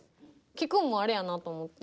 聞くんもあれやなと思って。